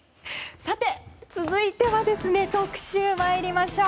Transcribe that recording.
続いては特集に参りましょう。